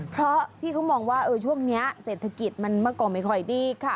เพราะพี่เขามองว่าช่วงนี้เศรษฐกิจมันเมื่อก่อนไม่ค่อยดีค่ะ